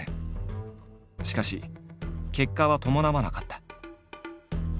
しかし結果は伴わなかった。